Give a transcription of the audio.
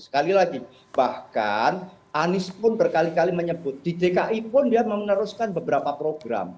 sekali lagi bahkan anies pun berkali kali menyebut di dki pun dia meneruskan beberapa program